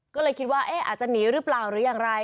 ก็เลยคิดว่าอาจจะหนีหรือเปล่าหรืออย่างไร